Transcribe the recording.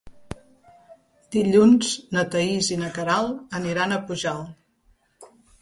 Dilluns na Thaís i na Queralt aniran a Pujalt.